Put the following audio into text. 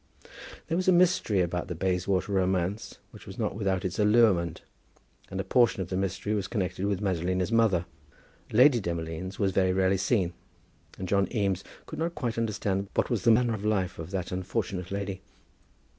There was a mystery about the Bayswater romance which was not without its allurement, and a portion of the mystery was connected with Madalina's mother. Lady Demolines was very rarely seen, and John Eames could not quite understand what was the manner of life of that unfortunate lady.